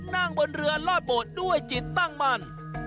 นั่งบนเรือลอดโบสถ์ด้วยจิตตั้งมั่น